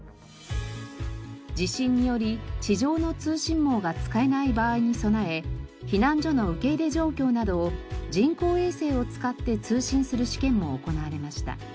地震により地上の通信網が使えない場合に備え避難所の受け入れ状況などを人工衛星を使って通信する試験も行われました。